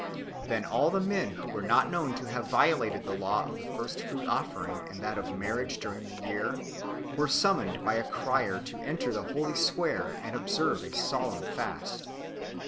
Then all the men who were not known to have violated the law of the first fruit offering and that of marriage during the year were summoned by a crier to enter the holy square and observe a solemn fast.